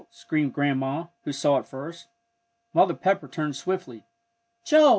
screamed Grandma, who saw it first. Mother Pepper turned swiftly. "Joel!"